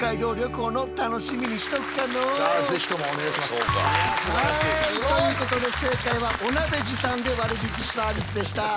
すごい！ということで正解はお鍋持参で割引サービスでした。